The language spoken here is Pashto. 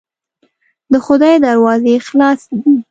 د خدای دروازې خلاصې دي.